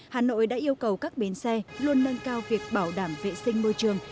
hà nội đã yêu cầu các bến xe luôn nâng cao việc bảo đảm vệ sinh môi trường